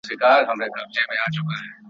راته وګوره په مینه سر کړه پورته له کتابه.